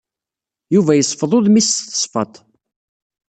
Yuba yesfeḍ udmi-is s tesfaḍt.